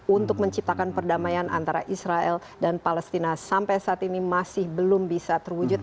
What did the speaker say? untuk menciptakan perdamaian antara israel dan palestina sampai saat ini masih belum bisa terwujud